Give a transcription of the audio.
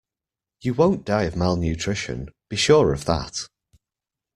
You won't die of malnutrition, be sure of that.